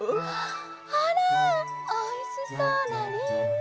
あらおいしそうなりんご。